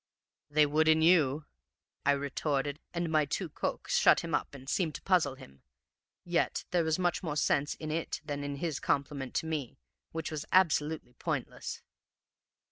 "'They would in you,' I retorted, and my tu quoque shut him up and seemed to puzzle him. Yet there was much more sense in it than in his compliment to me, which was absolutely pointless.